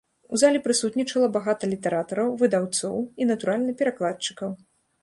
У зале прысутнічала багата літаратараў, выдаўцоў і, натуральна, перакладчыкаў.